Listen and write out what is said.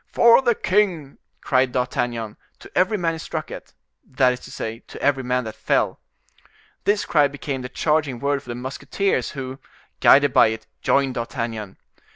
"For the king!" cried D'Artagnan, to every man he struck at, that is to say, to every man that fell. This cry became the charging word for the musketeers, who, guided by it, joined D'Artagnan.